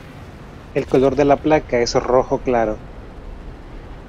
El color de la placa es rojo claro.